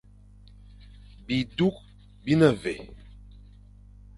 Bi duk bi ne vé ?